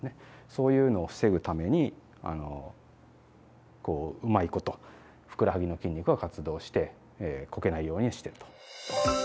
そういうのを防ぐためにこううまいことふくらはぎの筋肉が活動してこけないようにしてると。